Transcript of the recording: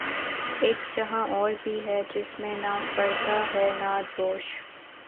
اک جہاں اور بھی ہے جس میں نہ فردا ہے نہ دوش